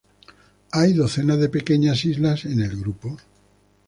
Hay docenas de pequeñas islas en el grupo.